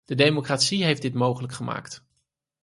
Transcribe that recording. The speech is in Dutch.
De democratie heeft dit mogelijk gemaakt.